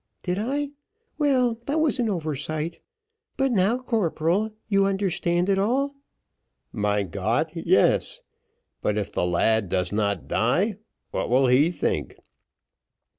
"Did I? well, that was an oversight; but now, corporal, you understand it all?" "Mein Gott! yes; but if the lad does not die, what will he think?"